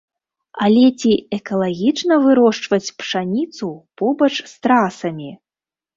Але ці экалагічна вырошчваць пшаніцу побач з трасамі?